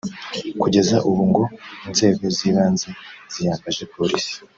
Kugeza ubu ngo inzego z’ibanze ziyambaje Polisi